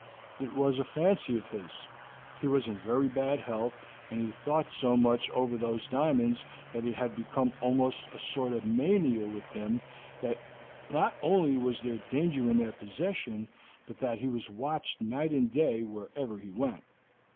"It was a fancy of his; he was in very bad health, and he thought so much over these diamonds that it had become almost a sort of mania with him that not only was there danger in their possession, but that he was watched night and day wherever he went.